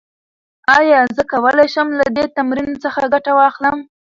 ایا زه کولی شم له دې تمرین څخه ګټه واخلم؟